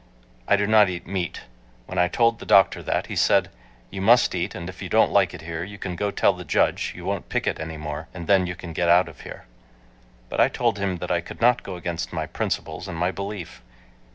I do not eat meat. When I told the doctor that he said, "You must eat, and if you don't like it here, you go and tell the judge you won't picket any more, and then you can get out of here." But I told him that I could not go against my principles and my belief.